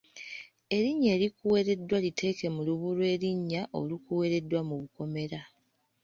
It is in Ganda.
Erinnya erikuweereddwa liteeke mu lubu lw’erinnya olukuweereddwa mu bukomera.